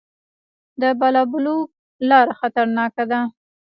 د بالابلوک لاره خطرناکه ده